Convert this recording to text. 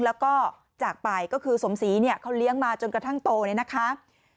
แล้วก็จากไปก็คือสมศรีเนี่ยเขาเลี้ยงมาจนกระทั่งโตเนี่ยนะคะ